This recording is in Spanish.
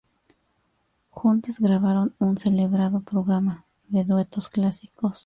Juntas grabaron un celebrado programa de duetos clásicos.